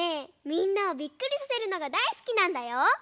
みんなをびっくりさせるのがだいすきなんだよ。